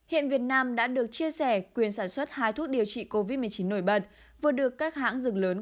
hiện việt nam đã được chia sẻ quyền sản xuất hai thuốc điều trị covid một mươi chín nổi bật vừa được các hãng rừng lớn